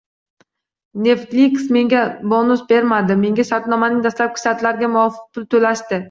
Netflix menga bonus bermadi, menga shartnomaning dastlabki shartlariga muvofiq pul to‘lashdi”, — degan rejissor